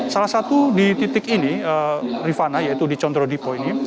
salah satu di titik ini rifana yaitu di condro dipo ini